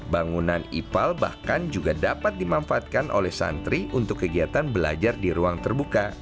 bangunan ipal bahkan juga dapat dimanfaatkan oleh santri untuk kegiatan belajar di ruang terbuka